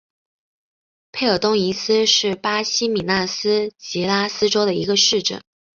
佩尔东伊斯是巴西米纳斯吉拉斯州的一个市镇。